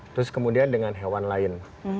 terus kemudian dengan hewan lain